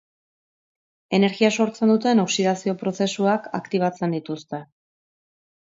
Energia sortzen duten oxidazio-prozesuak aktibatzen dituzte.